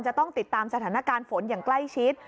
จะต้องติดตามสถานการณ์ฝนอย่างใกล้ชิด